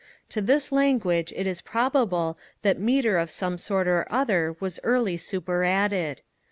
To this language it is probable that metre of some sort or other was early superadded.